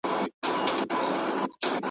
ریښتیا زوال نه لري .